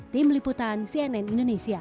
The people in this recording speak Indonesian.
tim liputan cnn indonesia